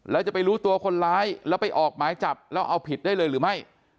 แล้วจะไปรู้ตัวคนร้ายแล้วไปออกหมายจับแล้วเอาผิดได้เลยหรือไม่